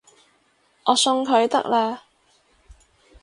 我送佢得喇